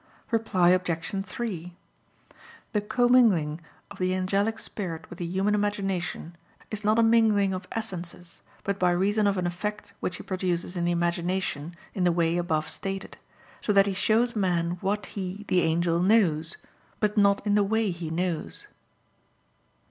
Reply Obj. 3: The commingling of the angelic spirit with the human imagination is not a mingling of essences, but by reason of an effect which he produces in the imagination in the way above stated; so that he shows man what he [the angel] knows, but not in the way he knows.